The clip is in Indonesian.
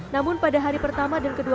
namun pada hari pertama dan kedua